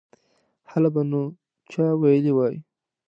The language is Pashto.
هله به نو چا ویلي وای.